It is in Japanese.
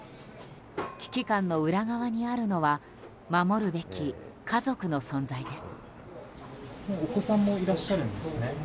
危機感の裏側にあるのは守るべき家族の存在です。